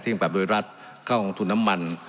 ซึ่งก็แบบโดยรัฐเข้าของทุนน้ำมัน